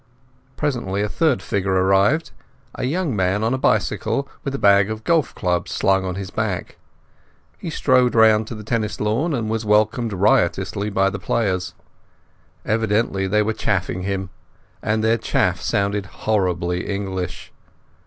Presently a third figure arrived, a young man on a bicycle, with a bag of golf clubs slung on his back. He strolled round to the tennis lawn and was welcomed riotously by the players. Evidently they were chaffing him, and their chaff sounded horribly English.